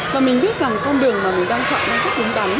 và mình biết rằng con đường mà mình đang chọn là rất là lớn